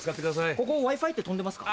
ここＷｉ−Ｆｉって飛んでますか？